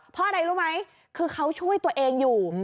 เพราะอะไรรู้ไหมคือเขาช่วยตัวเองอยู่